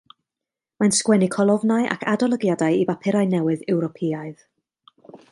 Mae'n sgwennu colofnau ac adolygiadau i bapurau newydd Ewropeaidd.